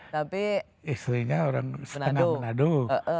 tapi istrinya orang menadung